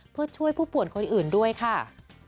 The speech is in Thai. เพื่อช่วยผู้ป่วยคนอื่นด้วยค่ะ